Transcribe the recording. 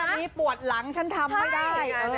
อันนี้ปวดหลังฉันทำไม่ได้